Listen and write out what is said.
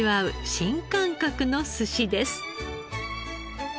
新感覚の寿司です。